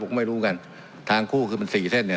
ก็ไม่รู้กันทางคู่คือมันสี่เส้นเนี่ย